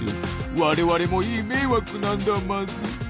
我々もいい迷惑なんだマズ。